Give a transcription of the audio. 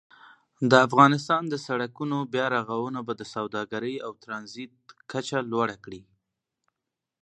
د افغانستان د سړکونو بیا رغونه به د سوداګرۍ او ترانزیت کچه لوړه کړي.